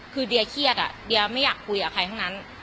คือเดียเครียดเดียไม่อยากคุยกับใครทั้งนั้น